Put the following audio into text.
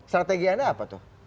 strategiannya apa tuh